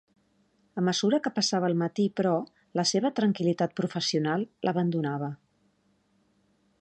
A mesura que passava el matí, però, la seva tranquil·litat professional l'abandonava.